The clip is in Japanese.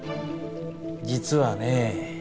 実はね